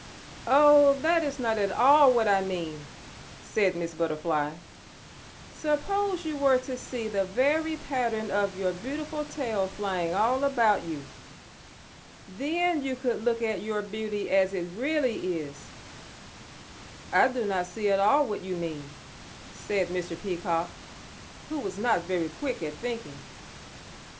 "Oh, that is not at all what I mean," said Miss Butterfly. "Suppose you were to see the very pattern of your beautiful tail flying all about you. Then you could look at your beauty as it really is." "I do not see at all what you mean," said Mr. Peacock, who was not very quick at thinking.